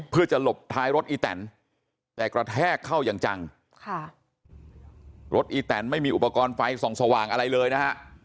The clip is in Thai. เพื่อจะหลบท้ายรถอีแตนแต่กระแทกเข้าอย่างจังค่ะรถอีแตนไม่มีอุปกรณ์ไฟส่องสว่างอะไรเลยนะฮะ